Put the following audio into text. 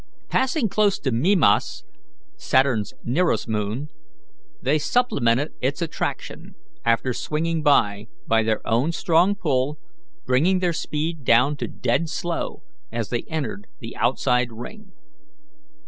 Passing close to Mimas, Saturn's nearest moon, they supplemented its attraction, after swinging by, by their own strong pull, bringing their speed down to dead slow as they entered the outside ring.